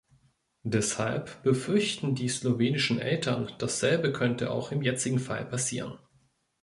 Deshalb befürchten die slowenischen Eltern, dasselbe könnte auch im jetzigen Fall passieren.